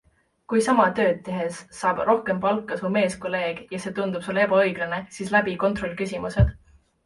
Kui sama tööd tehes saab rohkem palka su meeskolleeg, ja see tundub sulle ebaõiglane, siis läbi kontrollküsimused.